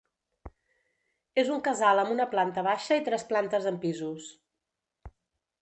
És un casal amb una planta baixa i tres plantes amb pisos.